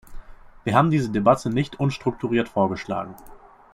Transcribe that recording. Wir haben diese Debatte nicht unstrukturiert vorgeschlagen.